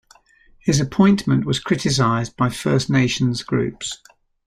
His appointment was criticized by First Nations groups.